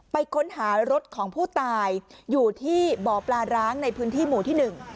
ไปค้นหารถของผู้ตายอยู่ที่บ่อปลาร้างในพื้นที่หมู่ที่หนึ่ง